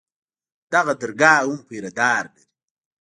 دغه درګاه هم پيره دار لري.